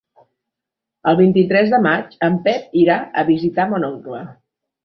El vint-i-tres de maig en Pep irà a visitar mon oncle.